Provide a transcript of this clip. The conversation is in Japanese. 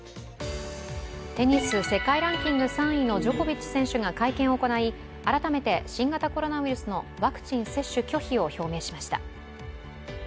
テニス世界ランキング３位のジョコビッチ選手が会見を行い改めて新型コロナウイルスのワクチン接種拒否を表明しました。